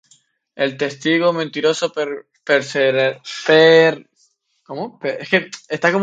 El testigo mentiroso perecerá: Mas el hombre que oye, permanecerá en su dicho.